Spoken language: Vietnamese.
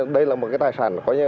đây là một tài sản